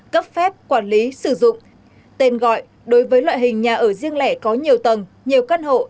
cấp phép quản lý sử dụng tên gọi đối với loại hình nhà ở riêng lẻ có nhiều tầng nhiều căn hộ